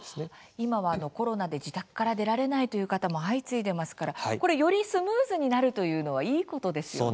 今は、コロナで自宅から出られないという方も相次いでますからよりスムーズになるというのはいいことですよね。